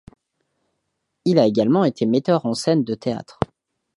Il a également été metteur en scène de théâtre.